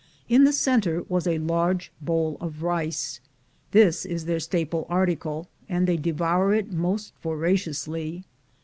In the center was a large bowl of rice. This is their staple article, and they devour it most voraciously.